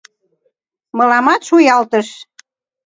Мыламат шуялтыш.